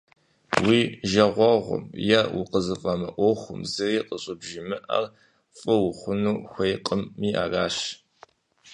Уи жагъуэгъум, е укъызыфӀэмыӀуэхум зыри къыщӀыбжимыӀэр, фӀы ухъуну хуейкъыми аращ.